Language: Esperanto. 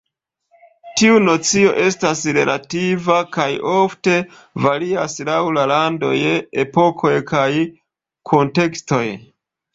Tiu nocio estas relativa, kaj ofte varias laŭ la landoj, epokoj kaj kuntekstoj.